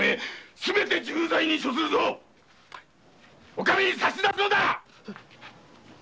お上に差し出すのだ‼